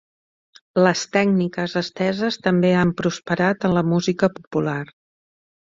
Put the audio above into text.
Les tècniques esteses també han prosperat en la música popular.